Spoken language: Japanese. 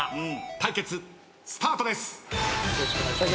対決スタートです！